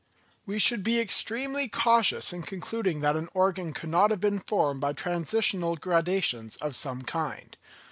We should be extremely cautious in concluding that an organ could not have been formed by transitional gradations of some kind.